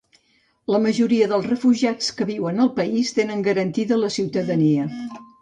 La majoria dels refugiats que viuen al país tenen garantida la ciutadania.